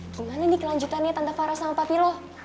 gimana nih kelanjutannya tante farah sama papi lo